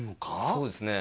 そうですね